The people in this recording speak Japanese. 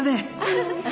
ハハハ。